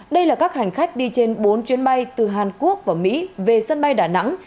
đây là các hành khách đi trên bốn chuyến bay từ hàn quốc và mỹ về sân bay đà nẵng